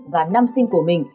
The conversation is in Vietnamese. và năm sinh của mình